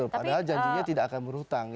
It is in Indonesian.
padahal janjinya tidak akan berhutang